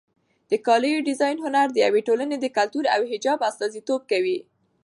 د کالیو د ډیزاین هنر د یوې ټولنې د کلتور او حجاب استازیتوب کوي.